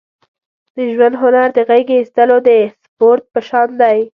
د ژوند هنر د غېږې اېستلو د سپورت په شان دی.